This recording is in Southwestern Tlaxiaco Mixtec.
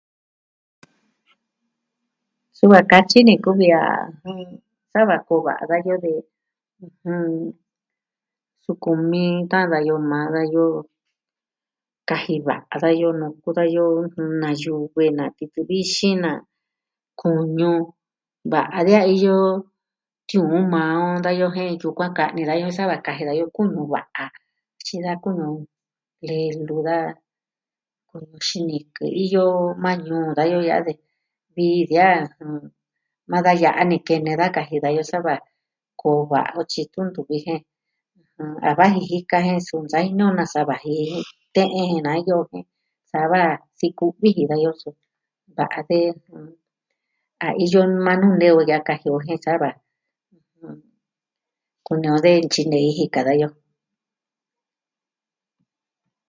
Suu a katyi ni kuvi a... jɨn... sava kuu va'a dayoo vi... ɨjɨn... suu kumi ta'an dayoo maa dayoo. Kaji va'a dayoo nuu kuu dayoo, na yu've, na titɨ vixin, na kuñu. da ya'a iyo tiuun maa o dayoo jen yukuan ka'ni dayo sava kaji dayoo kunu va'a. Tyi da kunu nee yuu ntu da xinikɨ iyo mañu nkayu ya'a de. Vi diaa maa da ya'a ni kene da kaji dayoo sava koo va'a o tyi tun ntu viji. A vaji jika jen sun saji nuu nasa vaji jen tɨɨn ini na yuku sava sikuviji dayoo. Su... da va'a te... a iyo nuu maa nuu nee ya'a kaji o jen sava kunaa de ntyinei jika dayoo.